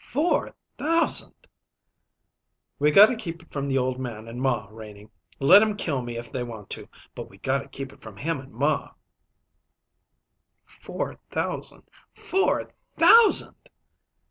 "Four thousand!" "We gotta keep it from the old man and ma, Renie. Let 'em kill me if they want to; but we gotta keep it from him and ma." "Four thousand! Four thousand!"